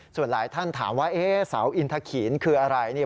ส่วนหลายท่านถามว่าเอ๊สาวอินทะเขียนคืออะไร